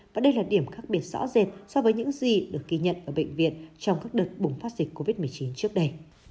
và đây là điểm khác biệt rõ rệt so với những gì được ghi nhận ở bệnh viện trong các đợt bùng phát dịch covid một mươi chín trước đây